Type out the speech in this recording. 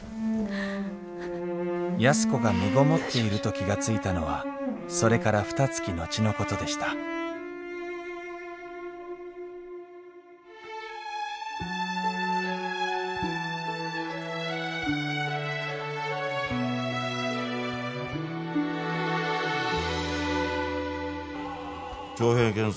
安子がみごもっていると気が付いたのはそれからふたつき後のことでした徴兵検査はいつなら？